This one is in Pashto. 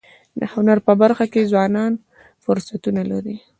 د هنر په برخه کي ځوانان فرصتونه لري.